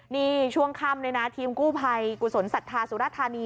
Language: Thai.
นี่ช่วงค่ำเลยนะทีมกู้ภัยกุศลศรัทธาสุรธานี